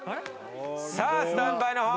さあスタンバイの方。